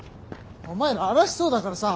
お前ら荒らしそうだからさ。